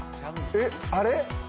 あれ？